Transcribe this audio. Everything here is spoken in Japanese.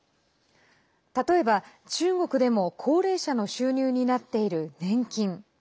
例えば、中国でも高齢者の収入になっている年金。